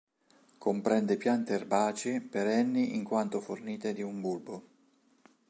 Comprende piante erbacee, perenni in quanto fornite di un bulbo.